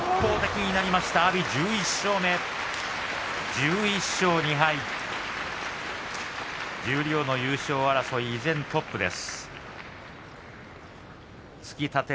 １１勝２敗、阿炎十両の優勝争い依然トップです。